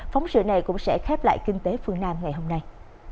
phóng sự này cũng sẽ khép lại kinh tế phương nam ngày hôm nay